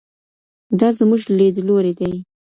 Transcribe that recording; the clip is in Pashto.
دا زموږ لیدلوری دی.